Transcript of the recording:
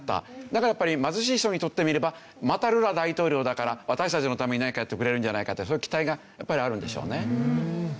だからやっぱり貧しい人にとってみればまたルラ大統領だから私たちのために何かやってくれるんじゃないかってそういう期待がやっぱりあるんでしょうね。